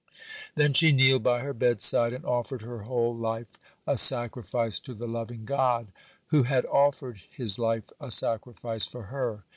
Then she kneeled by her bedside, and offered her whole life a sacrifice to the loving God who had offered His life a sacrifice for her.